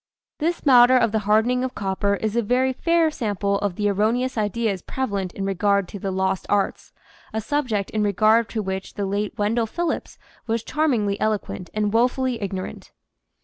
This matter of the hardening of copper is a very fair sample of the erroneous ideas prevalent in regard to the "Lost Arts," a subject in regard to which the late Wendell Phillips was charmingly eloquent and woefully ignorant.